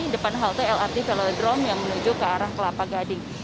depan halte lrt velodrome yang menuju ke arah kelapa gading